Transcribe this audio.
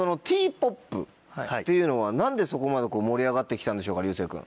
そのＴ−ＰＯＰというのは何でそこまで盛り上がって来たんでしょうか流星君。